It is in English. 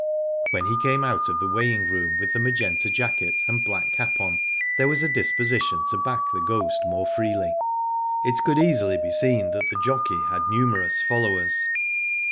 When he came out of the weighing. room with the Magenta jacket and black cap on, there was a disposition to back The Ghost more freely. It could easily be seen that the jockey had numerous followers.